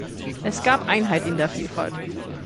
Es gab Einheit in der Vielfalt.